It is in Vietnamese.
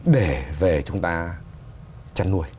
để về chúng ta chăn nuôi